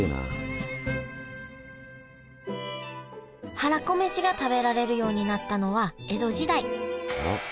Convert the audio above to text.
はらこめしが食べられるようになったのは江戸時代。